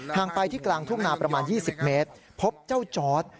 ไปที่กลางทุ่งนาประมาณ๒๐เมตรพบเจ้าจอร์ด